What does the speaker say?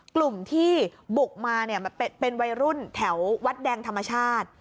กลุ่มที่บุกมาเป็นวัยรุ่นแถววัดแดงธรรมชาติ